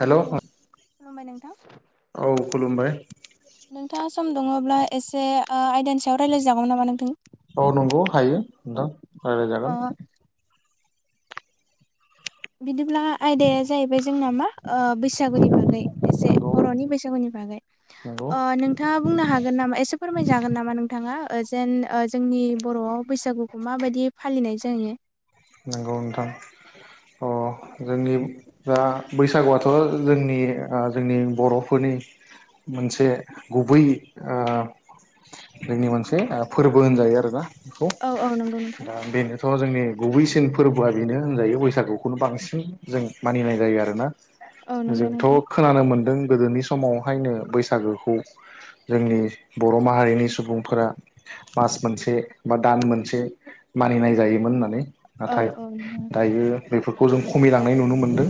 हेल' नों औ खुलुमबाय नोंथां खुलुमबाय नोंथाङा सम दङब्ला एसे ओ आयदानि सायाव रायजलायजागौ नामा नोंथां? औ नंगौ हायो नोंथां अ राय्लायजागोन। बिदिब्ला आयदाया जाहैबाय जोंना मा ओ बैसागुनि बागै एसे नंगौ बर'नि बैसागुनि बागै नंगौ ओ नोंथाङा बुंनो हागोन नामा एसे फोरमायजागोन नामा नोंथाङा ओ जेन ओ जोंनि बर'आव बैसागुखौ माबायदि फालिनाय जायो। नंगौ नोंथां। अ जोंनि दा बैसागुआथ' जोंनि आ जोंनि बर'फोरनि मोनसे गुबै आ जोंनि मोनसे फोरबो होनजायो आरोना बेखौ औ औ नंगौ नोंथां दा बेनोथ' जोंनि गुबैसिन फोरबोआ बेनो होनजायो बैसागुखौनो बांसिन जों मानिनाय जायो आरोना। औ नंगौ नोंथां जोंथ' खोनानो मोनदों। गोदोनि समावहायनो बैसागोखौ जोंनि बर' माहारिनि सुबुंफोरा मास मोनसे बा दान मोनसे मानिनाय जायोमोन होननानै। औ नाथाय औ नंगौ नोंथां दायो बे बेफोर खौ जों खमिलांनाय नुनो मोनदों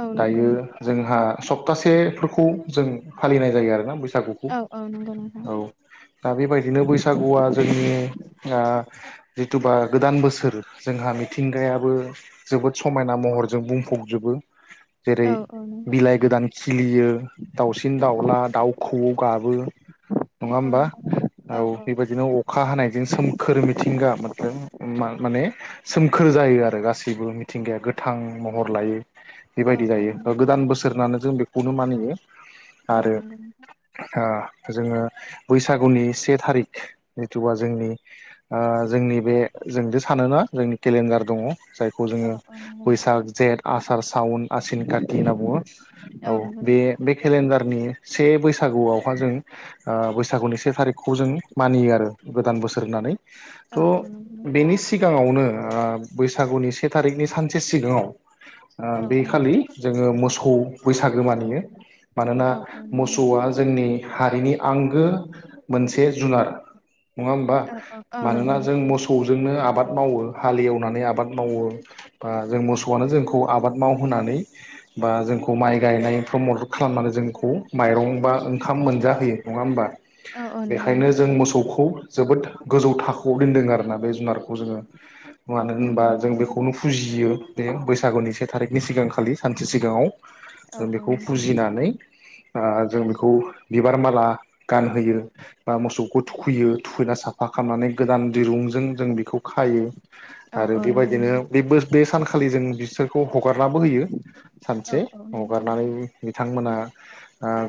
औ नंगौ दायो नों जोंहा सप्तासेफोरखौ जों फालिनाय जायो आरोना। बैसागुखौ औ औ नंगौ नोंथां औ दा बेबायदिनो बैसागुआ जोंनि ओ जिथुबा गोदान बोसोर जोंहा मिथिंगायाबो जोबोद समायना महरजों बुंफबजोबो जेरै औ औ नंगौ बिलाइ गोदान खिलियो दाउसिन दाउला दाउ खौवौ गाबो नङा औ होमबा? नंगौ औ बेबायदिनो अखा हानायजों सोमखोर मिथिंगा मोनदों बा माने सोमखोर जायो आरो गासैबो मिथिंगाया गोथां महर लायो। औ बेबायदि औ नंगौ जायो नोंथां गोदान बोसोर होन्नानै जों बेखौनो मानियो। औ आरो नंगौ नोंथां आ जोङो बैसागुनि से थारिख जिथुबा जोंनि ओ जोंनि बे जोंदि सानोना जोंनि केलेन्डार दङ जायखौ औ जोङो औ नंगौ नोंथां बैसाग जेठ आसार सावुन आनसिन काति होनना बुङो औ नंगौ नोंथां बे केालेण्डार डारनि से बैसागुआवहा जों ओ बैसागुनि से थारिकखौ जों मानियो आरो गोदान बोसोर होननानै औ थ औ नंगौ नोंथां बेनि सिगाङावनो आ बैसागुनि से थारिखनि सानसे सिगाङाव ओ औ बे औ आखालि जों जोङो मोसौ बैसागो मानियो। मानोना औ औ नंगौ नोंथां मोसौआ जोंनि हारिनि आंगो मोनसे जुनार नङा होमबा औ औ औ नंगौ मानोना जों नोंथां मोसौजोंनो आबाद मावो। हालेवनानै आबाद मावो बा जों मोसौआनो जोंखौ आबाद मावहोननानै बा जोंखौ माइ गायनायफ्राव मदद खालामनानै जोंखौ माइरं बा ओंखाम मोनजाहोयो नङा होमबा औ औ नंगौ बेखायनो नोंथां जों मोसौखौ जोबोद गोजौ थाखोआव दोनदों आरोना बे जुनारखौ जोङो मानो नंगौ होनबा नोंथां जों बेखौनो फुजियो जियो बे बैसागुनि से थारिखनि सिगांखालि सानसे सिगाङाव औ जों औ बेखौ नंगौ फुजिनानै आ जों बेखौ बिबार माला गानहोयो बा मोसौखौ थुखैयो थुखैना साफा खालामनानै गोदान दिरुंजों जों बेखौ खा औ आरो औ नंगौ बेबायदिनो नोंथां बेबो बे सानखालि जों बिसोरखौ हगारनाबो होयो औ सानसे औ नंगौ नोंथां हगारनानै बिथांमोना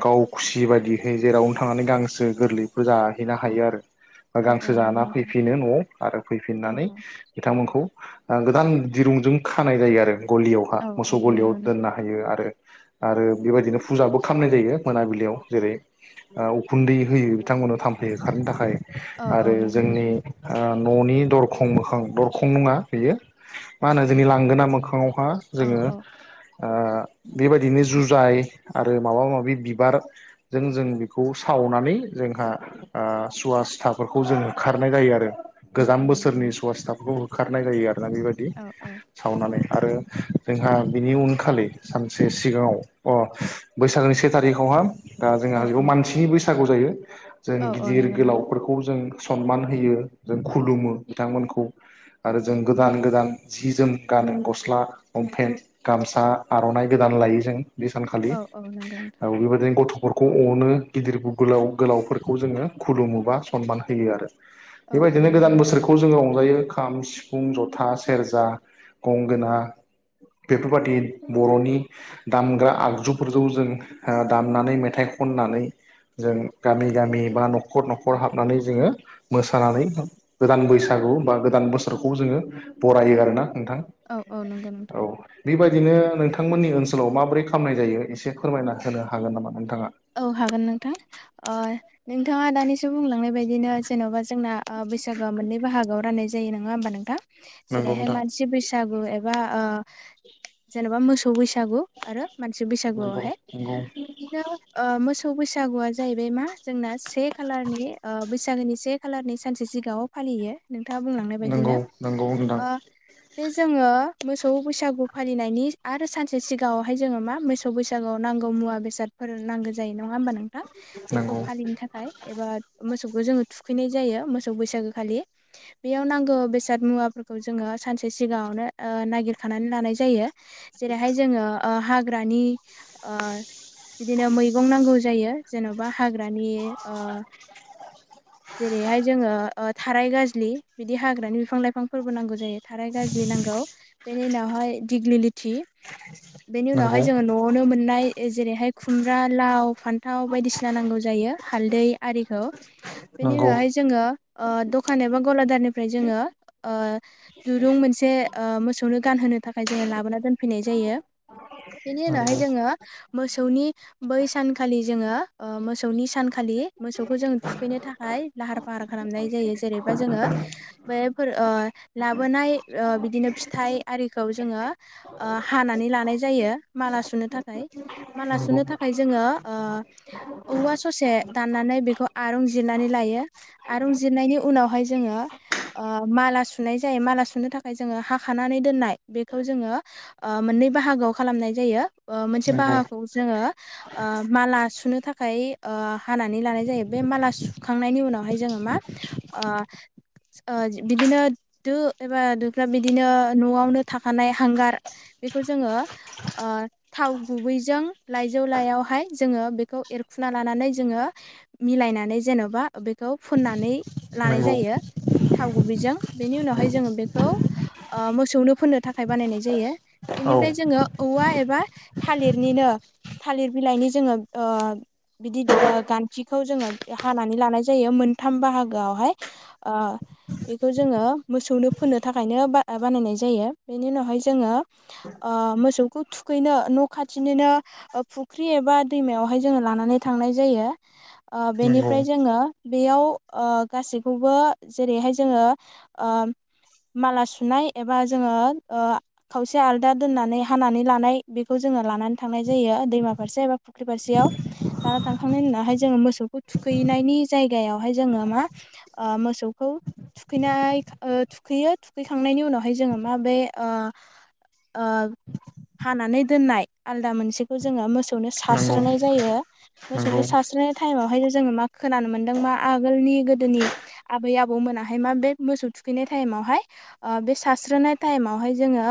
गाव खुसि बायदिहै जेरावनो थांनानै गांसो गोरलैफोर जाहैनो हायो आरो औ औ गांसो नंगौ जाना नोंथां फैफिनो नआव आरो औ फैफिननानै औ बिथांमोनखौ गोदान दिरुंजों खानाय जायो आरो गलियावहा औ औ मोसौ गलियाव नंगौ नोंथां दोननो हायो आरो आरो बेबायदिनो फुजाबो खालामनाय जायो मोनाबिलियाव जेरै उखुन्दै होयो बिथां थामफै खारनो थाखाय औ औ आरो नंगौ जोंनि नोंथां आ न'नि दर दरखं मोखां दरखं नङा बेयो मा होनो जोंनि लांगोना मोखाङाव मा औ जोङो औ ओ बेबायदिनो जुजाय आरो माबा माबि बिबारजों जों बेखौ सावनानै जोंहा ओ सुवा सुथाफोरखौ जों होखारनाय जायो आरो औ औ नंगौ अबस्थाफोरखौ होखारनाय जायो आरोना बेबायदि औ औ सावनानै आरो जोंहा बिनि उनखालि सानसे सिगाङाव अ बैसागोनि से थारिखआवहा ओ औ जोंहा बेव मानसिनि बैसागु जायो जों औ औ गिदिर नंगौ नोंथां गोलावफोरखौ जों सनमान होयो जों खुलुमो बिथांमोनखौ आरो जों गोदान गोदान जि जोम गानो गस्ला लमपेेन गाम सा आरनाइ गोदान लायो जों बे सानखालि औ औ नंगौ नोंथां औ बेबायदिनो गथ फोरखौ अनो गिदिर गोलाव गोलावफोरखौ जोङो खुलुमोबा सनमान होयो आरो औ औ बेबायदिनो नंगौ गोदान नंगौ बोसोरखौ जोङो रंजायो खाम सिफुं जथा सेरजा गंगोना बेफोरबादि बरनि दामग्रा आगजुफोरजों जों ओ दामनानै मेथाइ खननानै जों गामि गामि बा नखर नखर हाबनानै जोङो मोसानानै गोदान बैसो बैसागु बा गोदान बोसोरखौ जोङो बरायो आरोना नोंथां औ औ नंगौ नोंथां औ बेबायदिनो नोंथांमोननि ओनसोलाव माबोरै खालामनाय जायो एसे फोरमायना होनो हागोन नामा नोंथाङा औ हागोन नोंथां ओ नोंथाङा दानिसो बुंलांनाय बायदिनो जेनबा जोंना ओ बैसागोआ मोननै बाहागोआव राननाय जायो नङा होमबा नोंथां नंगौ जेरैहाय नोंथां मानसि बैसा गु एबा ओ जेनेबा मोसौ बैसागु आरो मानसि नंगौ बैसागुआवहाय नंगौ बिदिनो ओ मोसौ बैसागुआ जाहैबाय मा जोंना से खालारनि ओ बैसागोनि से खालारनि सानसे सिगां औ फालियो नोंथाङा बुंलांनाय बायदिनो नंगौ नंगौ नोंथां बे जोङो मोसौ बैसागु फालिनायनि आरो सानसे सिगाङावहाय जोङो मा मोसौ बैसागुआव नांगौ मुवा बेसादफोर नांगौ जायो नङा होमबा नोंथां बेखौ नंगौ फालिनो थाखायबा एबा मो बेखौ जोङो थुखैनाय जायो मोसौ बैसागु खालि बेयाव नांगौ बेसाद मुवाफोरखौ जोङो सानसे सिगाङावनो नागिरखानानै लानाय जायो जेरैहाय जोङो ओ हाग्रानि ओ बिदिनो मैगं नांगौ जायो जेन'बा हाग्रानि ओ जेरैहाय जोङो थाराय गाज्लि बिदि हाग्रानि बिफां लाइफांफोरबो नांगौ जायो थाराय गाज्लि नांगौ। बेनि उनावहाय दिगलिलिटि बेनि उनावहाय नंगौ जोङो न'आवनो मोननाय जेरैहाय खुमब्रा लाव फान्थाव बायदिसिना नांगौ जायो हालदै आरिखौ बेनि नंगौ उनावहाय जोङो ओ। दखान एबा गलादारनिफ्राय जोङो ओ दुरुं मोनसे ओ मोसौनो गानहोनो थाखाय जों लाबोना दोनफैनाय जायो बेनि नंगौ उनावहाय जोङो मोसौनि बै सानखालि जोङो ओ मोसौनि सानखालि मोसौखौ जों थुखैनो थाखाय लाहार फाहार खालामनाय जायो जेरै ओमफ्राय जोङो बे लाबोनाय बिदिनो फिथाइ आरिखौ जोङो हानानै लानाय। जायो माला सुनो थाखाय माला नंगौ सुनो थाखाय जोङो ओ। औवा ससे दाननानै बेखौ आरं जिरनानै लायो आरं जिरनायनि उनावहाय जोङो। ओ माला सुनाय जायो माला सुनो थाखाय जोङो हाखानानै दोननाय बेखौ जोङो। ओ। मोननै बाहागोआव खालामनाय जायो। मोनसे नंगौ बाहागोखौ जोङो। ओ माला सुनो थाखाय ओ हानानै लानाय जायो बे माला सुखांनायनि उनावहाय जोङो मा। ओ। ओ बिदिनो दो एबा दोफ्रा बिदिनो न'आवनो थाखानाय हांगार। बेखौ जोङो ओ थाव गुबैजों लाइ जौ लाइयावहाय जोङो बेखौ एरखुना लानानै जोङो मिलायनानै जेन'बा बेखौ। फोननानै लानाय नंगौ जायो। थाव गुबैजों बेनि उनावहाय नंगौ जोङो बेखौ मोसौनो फोननो थाखाय बानायनाय जायो। औ बेनिफ्राय जोङो औवा एबा थालिरनिनो। थालिर बिलाइनि जोङो ओ। बिदि गान्थिखौ जोङो हानानै लानाय जायो मोनथाम बाहागोआवहाय ओ। बेखौ जोङो मोसौनो फोननो थाखायनो बानायनाय जायो। बेनि उनावहाय जोङो ओ। मोसौखौ थुखैनो न' खाथिनिनो। फुख्रि एबा दैमायावहाय जोङो लानानै थांनाय जायो। नंगौ बेनिफ्राय जोङो बेयाव। गासैखौबो जेरैहाय जोङो ओ। माला सुनाय एबा जोङो ओ खावसे आलदा दोननानै हानानै लानाय बेखौ जों लानानै थांनाय। जायो दैमा फारसे एबा फख्रि फारसेयाव लाना थांखांनायनि उनावहाय जों मोसौखौ थुखैनायनि जाय [unintelligible] जोङो मा मोसौखौ थुखैनाय थुखैयो थुखैखांनायनि उनावहाय जोङो मा बे ओ ओ हानानै दोननाय आलदा मोनसे बेखौ जोङो मोसौनो सारस्रोनाय जायो। मोसौनो नोंथां सारस्रोनाय थाइमावहाय जोङो मा खोनानो मोनदों। आोलनि गोदोनि आबै आबौ मोनाहाय मा बे मोसौ थुखैनाय थाइमावहाय सास्रोननाय टाइमावहाय जोङो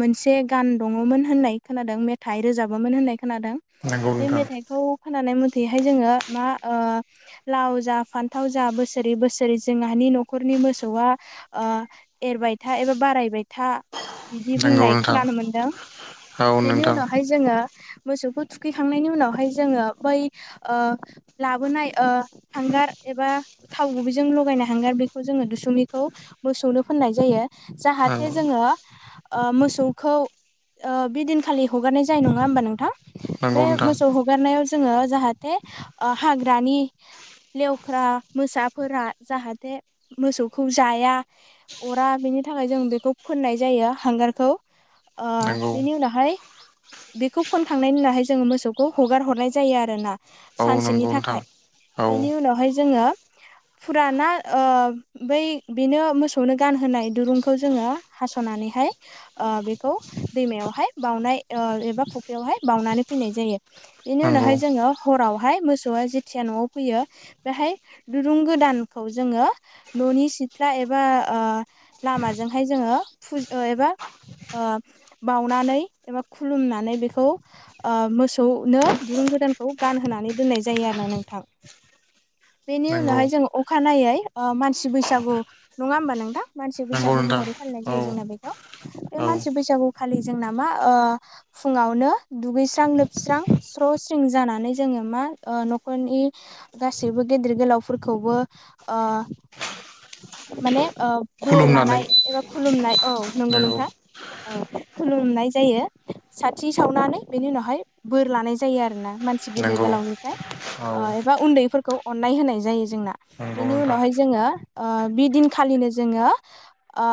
मोनसे गान दङमोन होननाय खोनादों मेथाइ रोजाब बोमोन होननाय खोनादों बे मेथाइखौ खोनानाय मथेैहाय जोङो मा लाव जा फान्थाव जा बोसोरै बोसोरै जों बे न'खरनि मोसौआ एरबाय था एबा बारायबाय था। बिदि नंगौ बुंनाय नोंथां खोनानो मोनदों। औ बेनि नोंथां उनावहाय जोङो। मोसौखौ थुखैखांनायनि उनावहाय जोङो बै ओ लाबोनाय ओ हांगार एबा थाव गुबैजों लगायनाय हांगार बेखौ जोङो दुसुमिखौ मोसौनो फोननाय जायो! जाहाथे नंगौ जोङो ओ मोसौखौ ओ बेदिनखालि हगारनाय जायो नङा होमबा नोंथां बे नंगौ नोंथां मोसौ हगारनायाव जोङो जाहाथे ओ हाग्रानि लेवख्रा मोसाफोरा जाहाथे मोसौखौ जाया अरा बिनि थाखाय जों बेखौ फोननाय जायो हांगारखौ ओ नंगौ बेनि उनावहाय बेखौ फोनखांनायनि उनावहाय जोङो मोसौखौ हगार हरनाय जायो आरो ना! औ सानसेनि नंगौ नोंथां थाखाय औ बेनि उनावहाय जोङो फुराना ओ बै बेनो मोसौनो गानहोनाय दुरुंखौ जोङो हास'नानैहाय ओ बेखौ दैमायावहाय बावनाय ओ एबा फुख्रियावहाय बावउनानै फैनाय जायो बेनि नंगौ उनावहाय जोङो हरावहाय मोसौआ जेथिया न'आव फैयो बेहाय दुरुं गोदानखौ जोङो न'नि सिथ्ला एबा ओ लामाजोंहाय जों फुज एबा ओ बावनानै एबा खुुलुमनानै बेखौ मोसौनो दुरुं गोदानखौ गानहोनानै दोननाय जायो आरो ना नोंथां बेनि नंगौ उनावहाय जोङो अखानायै मानसि बैसागु नङा होमबा नोंथां मानसि नंगौ बैसागु नोंथां महरै फालिनाय औ जायो जोंना बेखौ बे औ मानसि बैसागु खालि जोंना मा ओ फुङावनो दुगैस्रां लोबस्रां स्र' स्रिं जानानै जोङो मा ओ न'खरनि गासैबो गेदिर गोलावफोरखौबो ओ माने ओ बोर खुलुमनानै लानाय एबा खुलुमनाय औ नंगौ नोंथां औ खुलुमनाय जायो साथि सावनानै बेनि उनावहाय बोर लानाय जायो आरो ना मानसि गेदेर नंगौ गोलावनिफ्राय औ ओ एबा उन्दैफोरखौ अननाय होनाय जायो जोंना नंगौ बेनि नोंथां उनावहाय जोङो बिदिनखालिनो जोङो ओ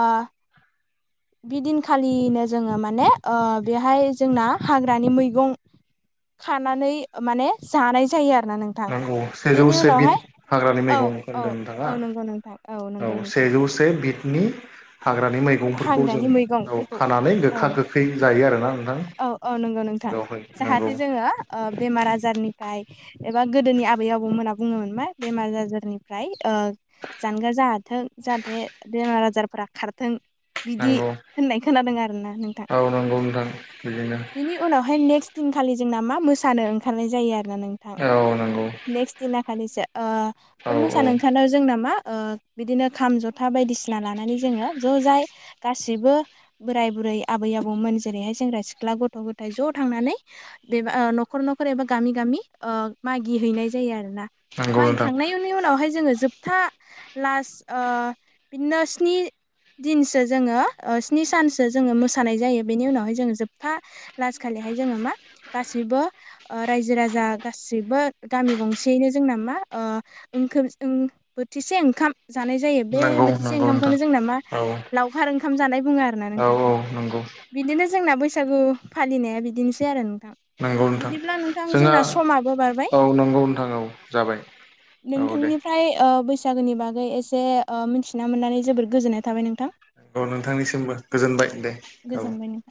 बिदिनखालिनो जोङो माने ओ बेहाय जोंना हाग्रानि मैगं खानानै माने जानाय जायो आरो ना नोंथां औ सेजौ बेनि से बिद उनावहाय हाग्रानि औ मैगंखौ औ होनदों नोंथाङा औ नंगौ नोंथां नंगौ औ नोंथां सेजौ से बिद हाग्रानि मैगंफोरखौ हाग्रानि जों मैगंफोरखौ खानानै औ गोखा गोखै जायो आरोना औ औ नंगौ नोंथां बेवहाय नंगौ जाहाथे जोङो बेमार आजारनिफ्राय एबा गोदोनि आबै आबौमोना बुङोमोन मा बेमार आजारनिफ्राय जानगार जा थों जाहाथे बेमार आजारफोरा खारथों बिदि नंगौ होननाय खोनादों आरोना नोंथां औ नंगौ नोंथां बिदिनो बिनि उनावहाय नेक्स्ट दिनखालि जोंना मा मोसानो ओंखारनाय जायो आरो नोंथां औ नंगौ नेक्स्ट दिना खालिसो बे औ औ मोसानो ओंखारनायाव जोंना मा ओ बिदिनो खाम जथा बायदिसिना लानानै जोङो ज' जाय गासिबो बोराय बु रै आबै आबौमोन जेरैहाय सेंग्रा सिख्ला गथ' गथाय ज' थांनानै नखर नखर एबा गामि गामि मागियो हैनाय जायो आरोना नंगौ नोंथां माइखांनायनि उनावहाय जों जोब था लास्ट ओ बिदिनो स्नि दिनसो जोङो स्नि सानसो जोङो मोसानाय जायो बेनि उनावहाय जोङो जोबथा लास्तखालिहाय जोङो मा गासिबो रायजो राजा गासिबो गामि गंसेयैनो जोंना मा ओ ओं ओं बोथिसे ओंखाम जानाय जायो बे नंगौ बोथिसे नंगौ नोंथां ओंखामखौनो जोंना मा औ लावखार ओंखाम जानाय बुङो आरोना औ नोंथां औ नंगौ बिदिनो जोंना बैसागु फालिनाया बिदिनोसै आरो नंगौ नोंथां बिदिब्ला नोंथां जोंहा जोंना समाबो बारबाय औ नंगौ नोंथां औ जाबाय औ दे नोंथांनिफ्राय बैसागोनि बागै एसे मिथिना मोननानै जोबोद गोजोननाय थाबाय नों औ नोंथांनिसिमबो गोजोनबाय दे औ गोजोनबाय नों